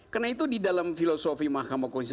karena itu di dalam filosofi mk